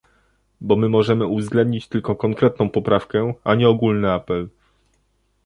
Bo my możemy uwzględnić tylko konkretną poprawkę, a nie ogólny apel